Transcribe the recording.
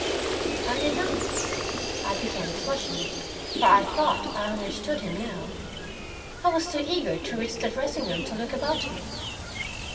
"I did not," I began, flushing, for I thought I understood him now. "I was too eager to reach the dressing room to look about me."